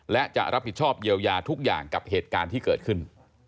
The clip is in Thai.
และจะรับผิดชอบเยียวยาทุกอย่างกับเหตุการณ์ที่เกิดขึ้น